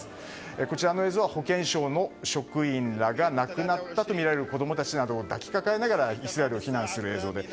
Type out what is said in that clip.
こちらの映像は保健省の職員らが亡くなったとみられる子供たちを抱きかかえながらイスラエルから避難する状況です。